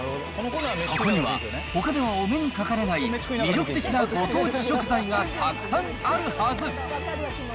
そこには、ほかではお目にかかれない、魅力的なご当地食材がたくさんあるはず。